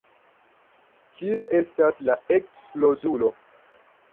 Kie estas la eksplodulo?